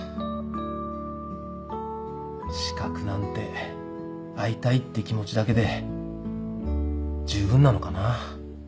資格なんて会いたいって気持ちだけで十分なのかな。